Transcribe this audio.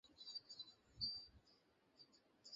জীবনের যে কোন দশায় একটি স্থিতিস্থাপক নটোকর্ড থাকে।